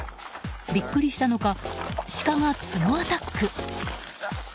ビックリしたのかシカが角アタック。